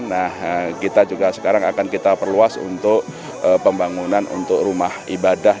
nah kita juga sekarang akan kita perluas untuk pembangunan untuk rumah ibadah